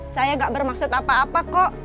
saya gak bermaksud apa apa kok